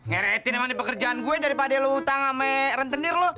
ngeretin emang di pekerjaan gue daripada lo utang ama rentenir lo